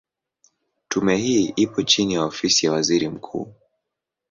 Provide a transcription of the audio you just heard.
Tume hii ipo chini ya Ofisi ya Waziri Mkuu.